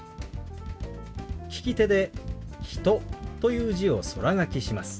利き手で「人」という字を空書きします。